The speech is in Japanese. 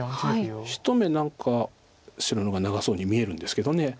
ひと目何か白の方が長そうに見えるんですけど。